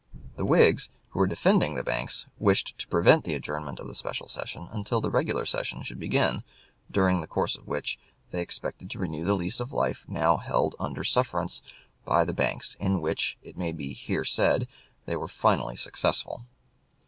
The Whigs, who were defending the banks, wished to prevent the adjournment of the special session until the regular session should begin, during the course of which they expected to renew the lease of life now held under sufferance by the banks in which, it may be here said, they were finally successful.